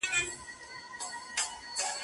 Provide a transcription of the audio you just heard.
ایا استاد د څيړني پرمختګ څاري؟